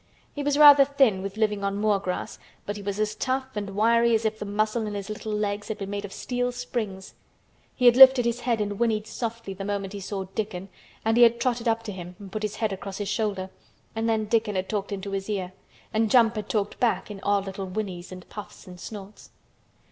He was rather thin with living on moor grass but he was as tough and wiry as if the muscle in his little legs had been made of steel springs. He had lifted his head and whinnied softly the moment he saw Dickon and he had trotted up to him and put his head across his shoulder and then Dickon had talked into his ear and Jump had talked back in odd little whinnies and puffs and snorts.